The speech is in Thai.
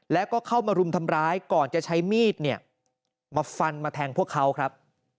แล้วก็เข้ามารุมทำร้ายก่อนจะใช้มีดเนี่ยมาฟันมาแทงพวกเขาครับ